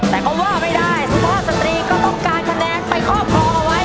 แต่ก็ว่าไม่ได้สุภาพสตรีก็ต้องการคะแนนไปครอบครองเอาไว้